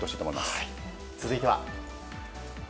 続いては。